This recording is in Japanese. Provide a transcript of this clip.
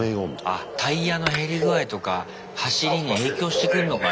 あっタイヤの減り具合とか走りに影響してくんのかな。